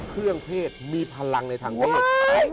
เครื่องเพศมีพลังในทางเพศ